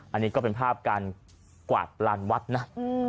อันนี้ก็เป็นภาพการกวาดลานวัดนะ